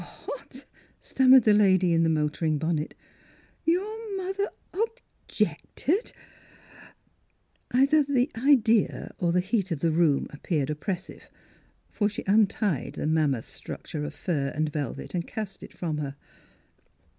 "W — what?" stammered the lady in the motoring bonnet. " Your mother — objected —" Miss Philura's Wedding Gown Either the idea or the heat of the room appeared oppressive, for she untied the mammoth structure of fur and velvet and cast it from her.